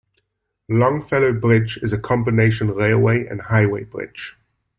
Longfellow Bridge is a combination railway and highway bridge.